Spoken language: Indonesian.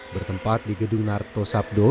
bertempat di gedung narto sabdo